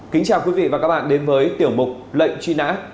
kính chào quý vị và các bạn đến với tiểu mục lệnh truy nã